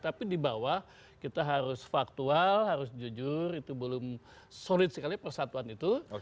tapi di bawah kita harus faktual harus jujur itu belum solid sekali persatuan itu